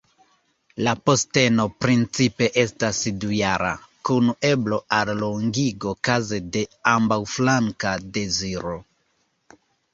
La posteno principe estas dujara, kun eblo al longigo kaze de ambaŭflanka deziro.